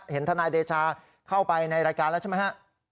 ทนายเดชาเข้าไปในรายการแล้วใช่ไหมฮะ